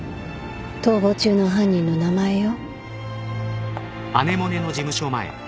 逃亡中の犯人の名前よ。